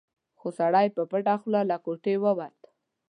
خو سړی په پټه خوله له کوټې ووت.